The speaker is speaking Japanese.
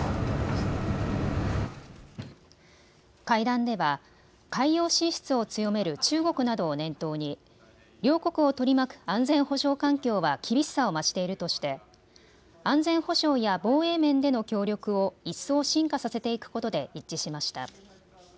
会談では海洋進出を強める中国などを念頭に両国を取り巻く安全保障環境は厳しさを増しているとして安全保障や防衛面での協力を一層深化させていくことで一致しました。